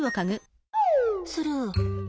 スルー。